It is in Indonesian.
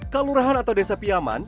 kalurahan atau desa piaman